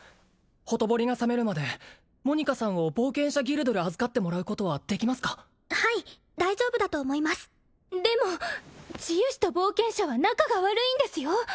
ほとぼりが冷めるまでモニカさんを冒険者ギルドで預かってもらうことはできますかはい大丈夫だと思いますでも治癒士と冒険者は仲が悪いんですよ！？